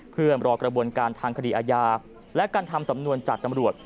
เพื่อรอกระบวนการทางคดีอาญาและการทำสำนวนจากตำรวจ